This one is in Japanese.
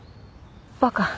バカ。